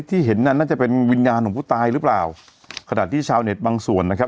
ที่เห็นนั้นน่าจะเป็นวิญญาณของผู้ตายหรือเปล่าขณะที่ชาวเน็ตบางส่วนนะครับ